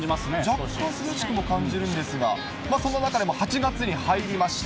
若干涼しくも感じるんですが、そんな中でも８月に入りました。